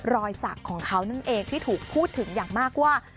รอยสักของเขานั่นเองที่ถูกพูดถึงอย่างมากว่า